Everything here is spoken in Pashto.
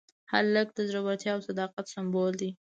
هلک د زړورتیا او صداقت سمبول دی.